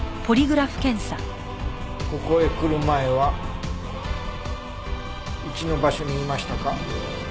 ここへ来る前は１の場所にいましたか？